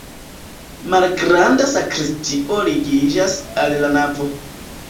Malgranda sakristio ligiĝas al la navo.